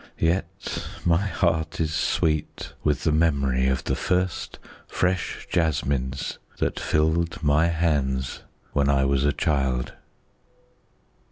Yet my heart is sweet with the memory of the first fresh jasmines that filled my hands when I was a child.